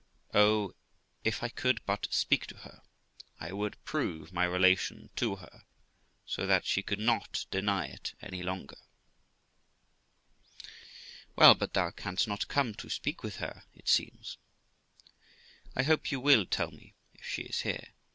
Oh, if I could but speak to her, I would prove my relation to her, so that she could not deny it any longer. Qu. Well, but thou canst not come to speak with her, it seems. Girl. I hope you will tell me if she is here.